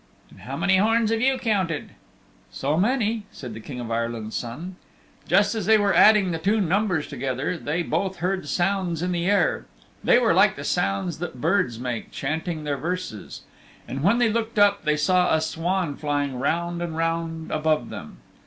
"And how many horns have you counted?" "So many," said the King of Ireland's Son. Just as they were adding the two numbers together they both heard sounds in the air they were like the sounds that Bards make chanting their verses. And when they looked up they saw a swan flying round and round above them.